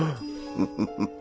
フフフフ。